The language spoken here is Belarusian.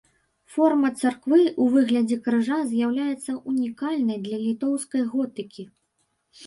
Форма царквы ў выглядзе крыжа з'яўляецца ўнікальнай для літоўскай готыкі.